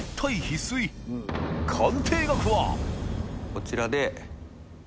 こちらで。